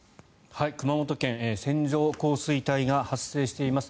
熊本県線状降水帯が発生しています。